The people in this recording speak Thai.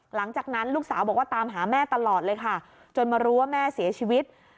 หลังจากนั้นลูกสาวบอกว่าตามหาแม่ตลอดเลยค่ะจนมารู้ว่าแม่เสียชีวิต